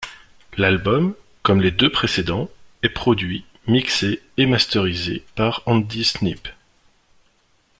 L'album, comme les deux précédents, est produit, mixé et masterisé par Andy Sneap.